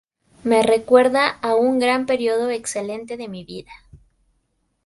Me recuerda a un gran período excelente de mi vida.